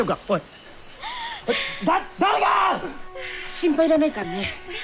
心配いらないからね。